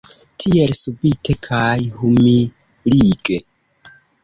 Tiel subite kaj humilige.